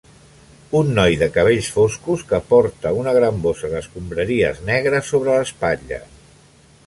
Un noi de cabells foscos que porta una gran bossa d'escombraries negra sobre l'espatlla.